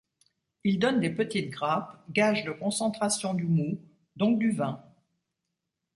Il donne des petites grappes, gage de concentration du moût, donc du vin.